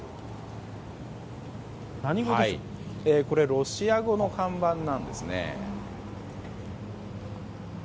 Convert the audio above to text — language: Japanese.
ロシア語の看板なんですね。